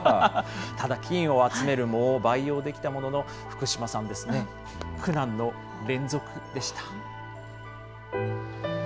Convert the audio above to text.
ただ、金を集める藻を培養できたものの、福島さんですね、苦難の連続でした。